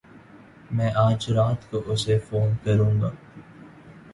میں اج رات کو اسے فون کروں گا